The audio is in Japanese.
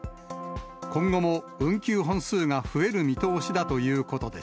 今後も運休本数が増える見通しだということです。